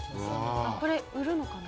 これ売るのかな？